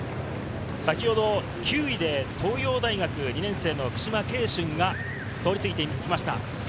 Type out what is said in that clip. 先ほど９位で東洋大学２年生・九嶋恵舜が通り過ぎて行きました。